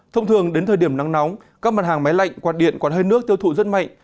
thông thường đến thời điểm nắng nóng các mặt hàng máy lạnh quạt điện quạt hơi nước tiêu thụ rất mạnh